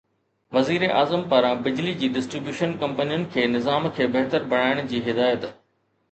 وزيراعظم پاران بجلي جي ڊسٽري بيوشن ڪمپنين کي نظام کي بهتر بڻائڻ جي هدايت